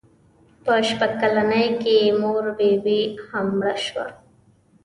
په شپږ کلنۍ کې یې مور بي بي هم مړه شوه.